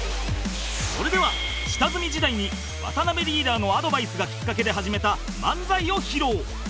それでは下積み時代に渡辺リーダーのアドバイスがきっかけで始めた漫才を披露